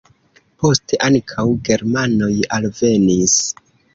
Poste ankaŭ germanoj alvenis.